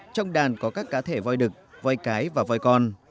trong đàn có các cá thể voi đực voi cái và voi con